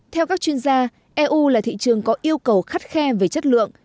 theo các chuyên gia eu là thị trường có yêu cầu khắt khe về chất lượng